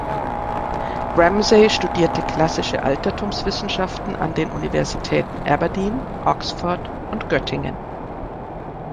Ramsay studierte Klassische Altertumswissenschaften an den Universitäten Aberdeen, Oxford und Göttingen.